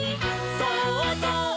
「そうぞう！」